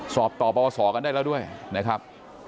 สอบต่อปวสอกันได้แล้วด้วยนะครับ